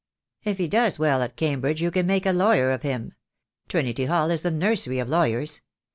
If he does well at Cambridge you can make a lawyer of him. Trinity Hall is the nursery of lawyers.